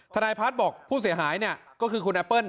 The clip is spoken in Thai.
ทนายพัฒน์บอกผู้เสียหายเนี่ยก็คือคุณแอปเปิ้ล